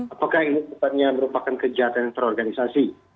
apakah ini merupakan kejahatan yang terorganisasi